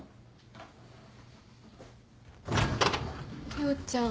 陽ちゃん。